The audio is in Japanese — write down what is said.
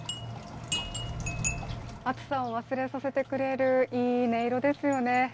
暑さを忘れさせてくれる、いい音色ですよね。